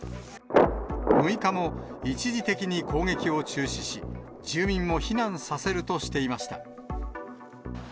６日も一時的に攻撃を中止し、住民を避難させるとしていました。